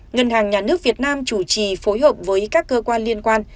ngân hàng nhà nước việt nam chủ trì phối hợp với các cơ quan liên quan